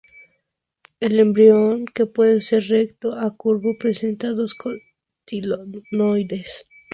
El embrión, que puede ser recto a curvo, presenta dos cotiledones.